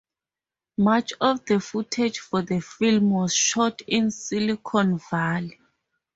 Much of the footage for the film was shot in Silicon Valley.